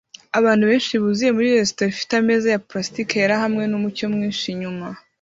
Abantu benshi buzuye muri resitora ifite ameza ya pulasitike yera hamwe numucyo mwinshi inyuma